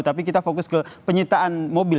tapi kita fokus ke penyitaan mobil